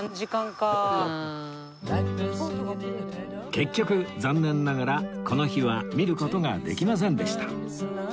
結局残念ながらこの日は見る事ができませんでした